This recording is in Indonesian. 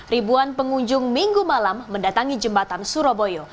ribuan pengunjung minggu malam mendatangi jembatan surabaya